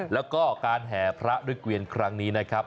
แล้วก็การแห่พระด้วยเกวียนครั้งนี้นะครับ